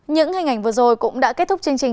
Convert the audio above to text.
những hình ảnh vừa rồi cũng đã kết thúc chương trình